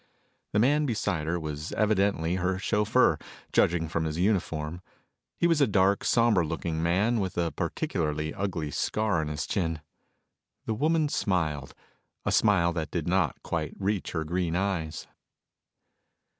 The man beside her was evidently her chauffeur, judging from his uniform. He was a dark, somber looking man with a particularly ugly scar on his chin. The woman smiled a smile that did not quite reach her green eyes.